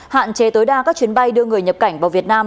hạn chế tối đa các chuyến bay đưa người nhập cảnh vào việt nam